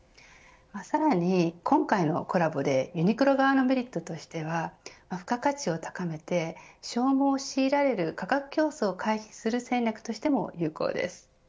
さらに今回のコラボでユニクロ側のメリットとしては付加価値を高めて消耗を強いられる、価格競争を回避する戦略としても有効です。